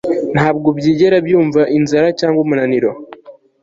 nta bwo byigera byumva inzara cyangwa umunaniro